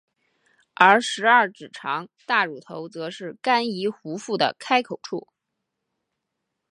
而十二指肠大乳头则是肝胰壶腹的开口处。